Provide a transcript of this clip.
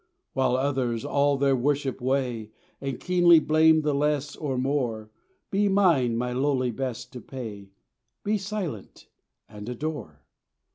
While others all their worship weigh, And keenly blame the less or more, Be mine my lowly best to pay, "Be silent, and adore."